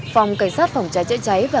phòng cảnh sát phòng cháy cháy cháy